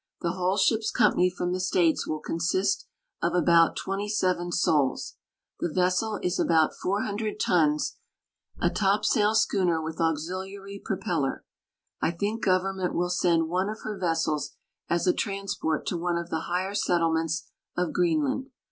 The whole ship's company from the States will consist of about 27 souls. The vessel is about 400 tons — a top sail schooner with auxiliary ijropeller. I think Government will send one of her vessels as a transport to one of the higher settlements of Green land.